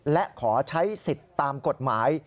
และขอใช้สิทธิ์ตามกฎหมาย